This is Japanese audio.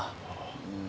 うん。